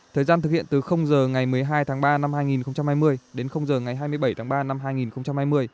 thời gian thực hiện từ giờ ngày một mươi hai tháng ba năm hai nghìn hai mươi đến h ngày hai mươi bảy tháng ba năm hai nghìn hai mươi